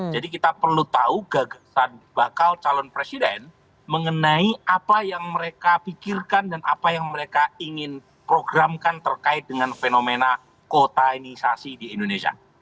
jadi kita perlu tahu gagasan bakal calon presiden mengenai apa yang mereka pikirkan dan apa yang mereka ingin programkan terkait dengan fenomena kotainisasi di indonesia